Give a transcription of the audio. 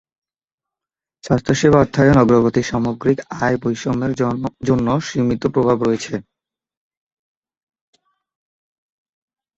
স্বাস্থ্যসেবা অর্থায়ন অগ্রগতি সামগ্রিক আয় বৈষম্যের জন্য সীমিত প্রভাব রয়েছে।